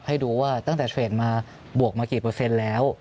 ให้ดูว่าตั้งแต่เทรดมาบวกมากี่เปอร์เซ็นต์แล้ว